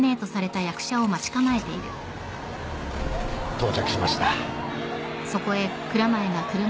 到着しました。